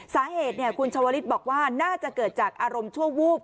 สาเหตุคุณชวลิศบอกว่าน่าจะเกิดจากอารมณ์ชั่ววูบ